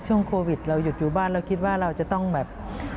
ช่วงโควิดเราหยุดอยู่บ้านเราคิดว่าเราจะต้องแบบ